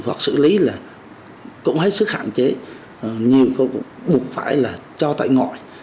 hoặc xử lý là cũng hết sức hạn chế nhiều cũng buộc phải là cho tại ngọi